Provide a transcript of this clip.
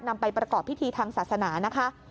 นำไปประกอบพิธีทางศาสนานะคะ